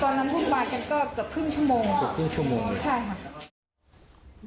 วุ่นวายกันก็เกือบครึ่งชั่วโมงเกือบครึ่งชั่วโมงใช่ค่ะ